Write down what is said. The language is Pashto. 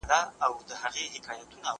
زه له سهاره بوټونه پاکوم!